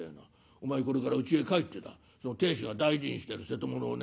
お前これからうちへ帰ってだ亭主が大事にしてる瀬戸物をね